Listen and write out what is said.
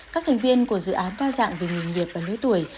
các thành viên của dự án đa dạng về nghề nghiệp và lưới tuổi